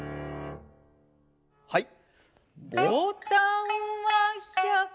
はい。